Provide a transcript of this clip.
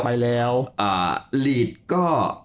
อ่าลีดก็